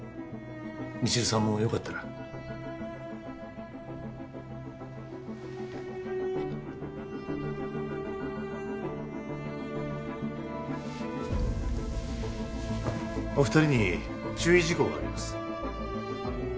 未知留さんもよかったらお二人に注意事項があります